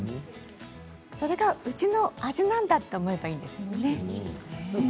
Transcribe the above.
それが、うちの味なんだと思えばいいんですもんね。